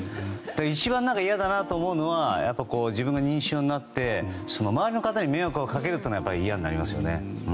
一番嫌だなと思うのは自分が認知症になって周りの方に迷惑をかけるというのは嫌になりますよね。